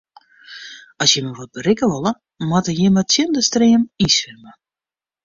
As jimme wat berikke wolle, moatte jimme tsjin de stream yn swimme.